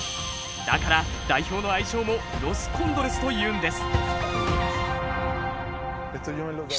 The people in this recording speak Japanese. だから代表の愛称もロス・コンドレスというんです！